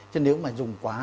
chứ nếu mà dùng quá